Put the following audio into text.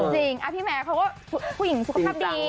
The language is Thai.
จริงพี่แมร์เขาก็ผู้หญิงสุขภาพดี